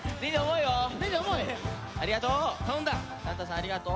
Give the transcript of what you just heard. ありがとう。